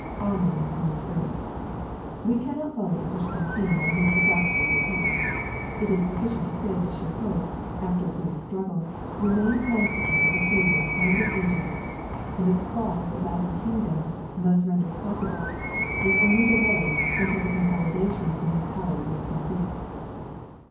Amaury moved first. We cannot follow the Christian king on his disastrous attempt. It is sufficient to say that Shirkoh, after a brief struggle, remained master of the field and of Egypt, and that the fall of the Latin kingdom, thus rendered possible, was only delayed until the consolidation of the new power was complete.